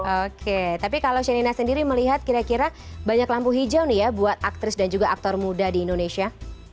oke tapi kalau shenina sendiri melihat kira kira banyak lampu hijau nih ya buat aktris dan juga aktor muda di indonesia